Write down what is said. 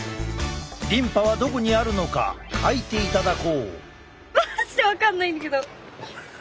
リンパはどこにあるのか描いていただこう。